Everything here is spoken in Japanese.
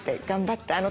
「頑張った。